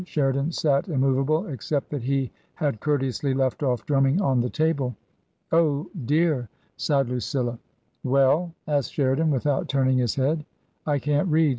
Sheridan sat immovable, except that he had courteously left off drumming on the table. Oh, dear !" sighed Lucilla. Well ?" asked Sheridan, without turning his head. " I can't read.